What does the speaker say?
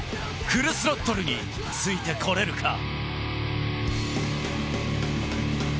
フルスロットルについてこれるか？